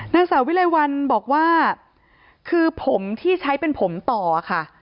นางสาววิลัยวันบอกว่าคือผมที่ใช้เป็นผมต่อค่ะ